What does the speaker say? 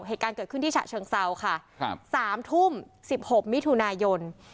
เหตุการณ์เกิดขึ้นที่ฉะเชิงเซาค่ะครับสามทุ่มสิบหกมิถุนายน